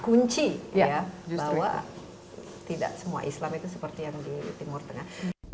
kunci ya bahwa tidak semua islam itu seperti yang di timur tengah